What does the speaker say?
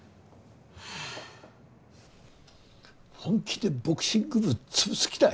本気でボクシング部潰す気だ